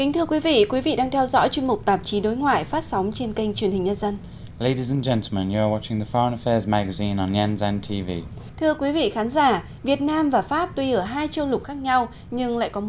thưa quý vị quý vị đang theo dõi chương mục tạp chí đối ngoại phát sóng trên kênh truyền hình nhân dân